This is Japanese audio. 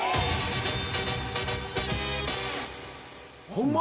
ホンマ？